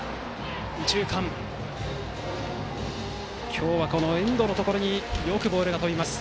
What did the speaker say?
今日は、遠藤のところによくボールが飛びます。